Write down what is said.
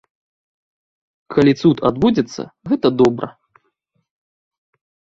Калі цуд адбудзецца, гэта добра.